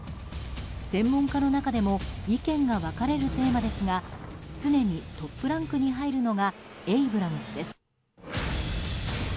専門家の中でも意見が分かれるテーマですが常にトップランクに入るのがエイブラムスです。